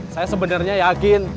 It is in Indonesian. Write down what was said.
saya sebenarnya yakin